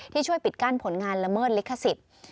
ที่ช่วยปิดกั้นผลงานละเมิดลิขสิทธิ์